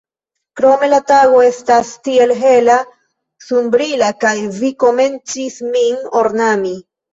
Krome, la tago estas tiel hela, sunbrila, kaj vi komencis min ornami.